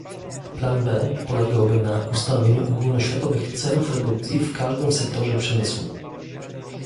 Plan B polegałby na ustanowieniu ogólnoświatowych celów redukcji w każdym sektorze przemysłu